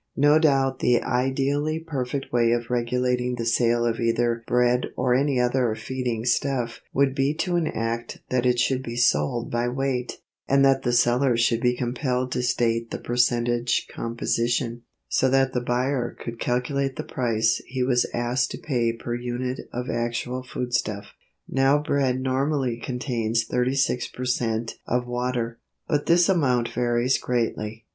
No doubt the ideally perfect way of regulating the sale of either bread or any other feeding stuff would be to enact that it should be sold by weight, and that the seller should be compelled to state the percentage composition, so that the buyer could calculate the price he was asked to pay per unit of actual foodstuff. Now bread normally contains 36 per cent. of water, but this amount varies greatly.